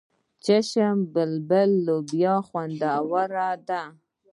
چشم بلبل لوبیا خوندوره ده.